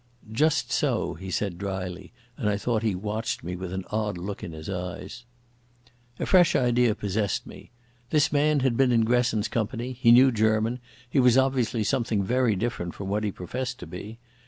"Just so," he said dryly, and I thought he watched me with an odd look in his eyes. A fresh idea possessed me. This man had been in Gresson's company, he knew German, he was obviously something very different from what he professed to be.